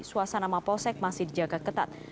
suasana mapolsek masih dijaga ketat